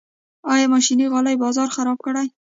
آیا ماشیني غالۍ بازار خراب کړی؟